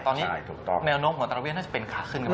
ตอนนี้แนวโน้มของดอกเบี้ยน่าจะเป็นขาขึ้นไหม